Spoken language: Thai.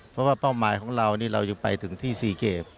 เพราะว่าเป้าหมายของเรานี่เรายังไปถึงที่๔เกม